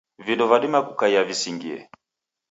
Vindo vadima kukaia visingie.